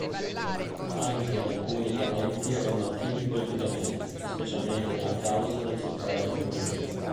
Anche alcuni parenti erano attivi politicamente, specialmente nella causa del suffragio femminile.